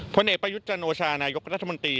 พระเอกประยุจจันทร์โอชานายกวรัฐมนตรี